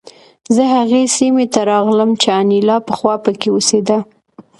زه هغې سیمې ته راغلم چې انیلا پخوا پکې اوسېده